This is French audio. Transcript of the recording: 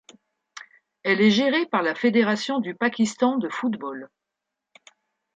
Elle est gérée par la Fédération du Pakistan de football.